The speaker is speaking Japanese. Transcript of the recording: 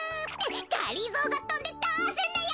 がりぞーがとんでどうすんのよ！